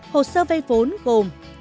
hồ sơ vay vốn gồm